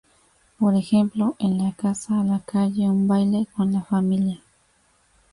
Por ejemplo: en la casa, la calle, un baile, con la familia.